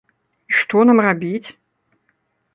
І што нам рабіць?